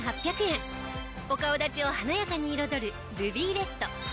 お顔立ちを華やかに彩るルビーレッド。